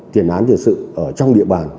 tiền án thiệt sự trong địa bàn